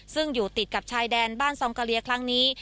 ซึ่งอยู่ติดกับชายแดนบ้านซองกะเลียครั้งนี้